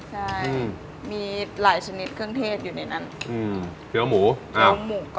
ใช่มีหลายชนิดเครื่องเทศอยู่ในนั้นเกี้ยวหมูเกี้ยวหมู